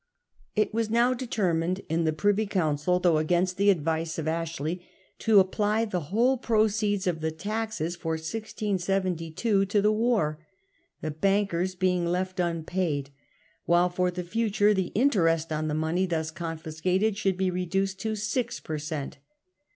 It was now determined in the Privy Council, though against the advice of Ashley, to apply the whole proceeds of the taxes for 1672 to the war, the bankers being left unpaid, while for the future the interest on the money thus con fiscated should be reduced to six per cent.